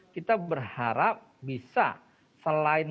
kita berharap bisa selain